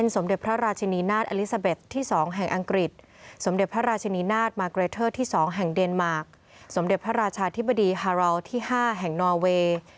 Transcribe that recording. สมเด็จพระราชาธิบดีฮาราลที่๕แห่งนอเวย์